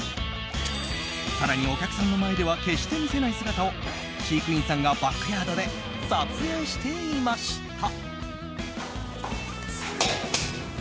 更にお客さんの前では決して見せない姿を飼育員さんがバックヤードで撮影していました。